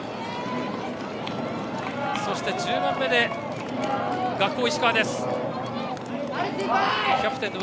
そして１０番目で学法石川。